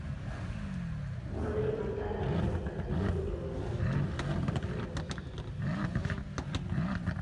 Mayi matalale adi londapu kudi bantu bonso.